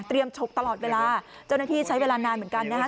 ฉกตลอดเวลาเจ้าหน้าที่ใช้เวลานานเหมือนกันนะคะ